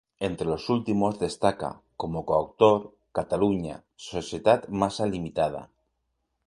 Entre los últimos destaca, como coautor, "Catalunya, societat massa limitada".